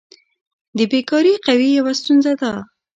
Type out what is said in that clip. د بیکاري قوي یوه ستونزه ده.